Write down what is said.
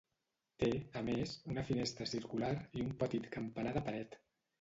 Té, a més, una finestra circular i un petit campanar de paret.